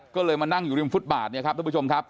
ก็เลยมานั่งอยู่ริมฟุตบาทเนี่ยครับทุกผู้ชมครับ